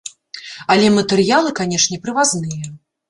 Але матэрыялы, канешне, прывазныя.